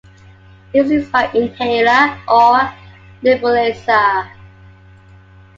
It is used by inhaler or nebulizer.